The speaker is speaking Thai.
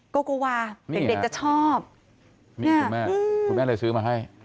กลัววาเด็กจะชอบนี่ค่ะนี่คุณแม่คุณแม่เลยซื้อมาให้